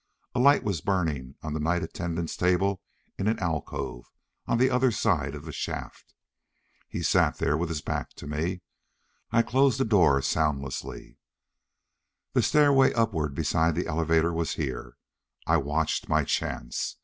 A light was burning on the night attendant's table in an alcove, on the other side of the shaft. He sat there with his back to me. I closed the door soundlessly. The stairway upward beside the elevator was here. I watched my chance.